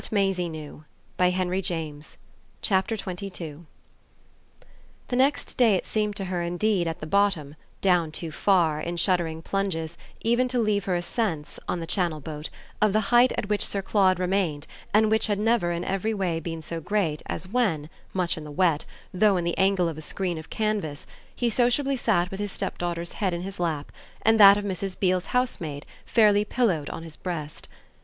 Maisie mounted as if France were at the top. XXII The next day it seemed to her indeed at the bottom down too far, in shuddering plunges, even to leave her a sense, on the Channel boat, of the height at which Sir Claude remained and which had never in every way been so great as when, much in the wet, though in the angle of a screen of canvas, he sociably sat with his stepdaughter's head in his lap and that of Mrs. Beale's housemaid fairly pillowed on his breast.